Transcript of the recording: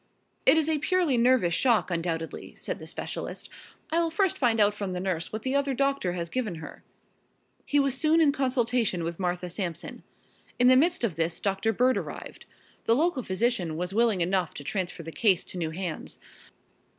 "It is a purely nervous shock, undoubtedly," said the specialist. "I will first find out from the nurse what the other doctor has given her." He was soon in consultation with Martha Sampson. In the midst of this Doctor Bird arrived. The local physician was willing enough to transfer the case to new hands.